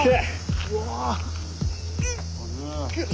うわ！